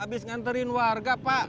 abis nganterin warga pak